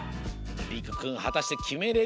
りくくんはたしてきめれるか？